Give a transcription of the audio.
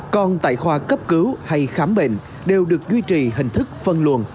còn tại khoa cấp cứu hay khám bệnh đều được duy trì hình thức phân luận